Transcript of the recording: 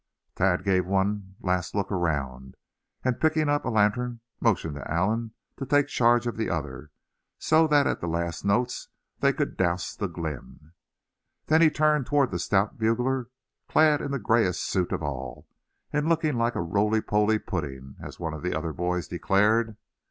Thad gave one last look around, and picking up a lantern motioned to Allan to take charge of the other, so that at the last notes they could "douse the glim." Then he turned toward the stout bugler, clad in the gayest suit of all, and looking like "a rolypoly pudding," as one of the other boys declared.